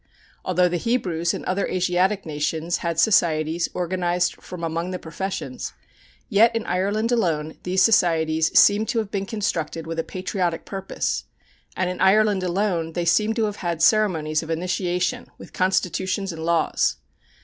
Although the Hebrews and other Asiatic nations had societies organized from among the professions, yet in Ireland alone these societies seem to have been constructed with a patriotic purpose, and in Ireland alone they seem to have had ceremonies of initiation, with constitutions and laws.